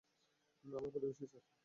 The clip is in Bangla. আমরা প্রতিবেশী, স্যার।